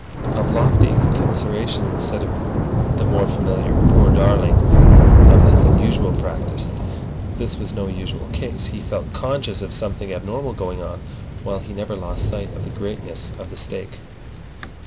of lofty commiseration instead of the more familiar "Poor darling!" of his usual practice. This was no usual case. He felt conscious of something abnormal going on, while he never lost sight of the greatness of the stake.